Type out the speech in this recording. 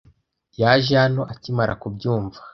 Yaje hano akimara kubyumva.